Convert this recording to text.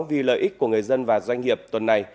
vì lợi ích của người dân và doanh nghiệp tuần này